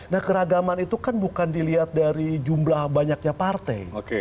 nah keragaman itu kan bukan dilihat dari jumlah banyaknya partai